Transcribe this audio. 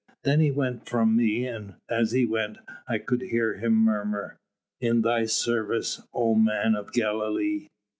Then he went from me, and as he went I could hear him murmur: 'In Thy service, oh Man of Galilee.'"